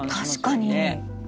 確かに。